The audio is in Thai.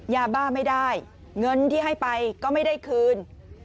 ยาบ้าไม่ได้เงินที่ให้ไปก็ไม่ได้คืน